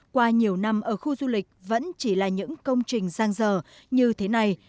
qua nhiều năm ở khu du lịch vẫn chỉ là những công trình giang dở như thế này